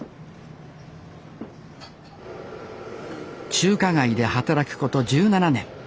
中華街で働くこと１７年。